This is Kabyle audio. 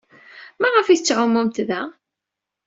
Maɣef ay tettɛumumt da?